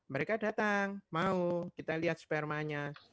mereka datang mau kita lihat spermanya